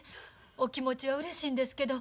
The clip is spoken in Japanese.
お気持ちはうれしいんですけど